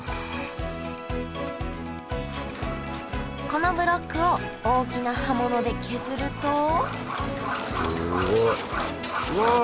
このブロックを大きな刃物で削るとすごい。